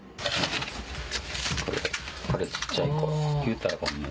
これ小っちゃい頃。